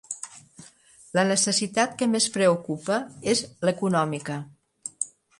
La necessitat que més preocupa és l'econòmica.